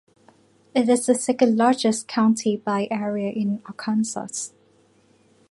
It is the second-largest county by area in Arkansas.